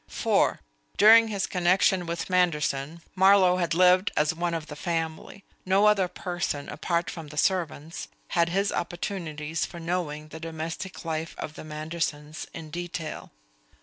(4) During his connection with Manderson, Marlowe had lived as one of the family. No other person, apart from the servants, had his opportunities for knowing the domestic life of the Mandersons in detail.